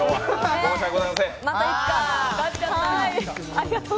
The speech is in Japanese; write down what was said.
申し訳ございません。